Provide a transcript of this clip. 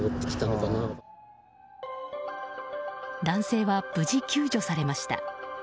男性は無事、救助されました。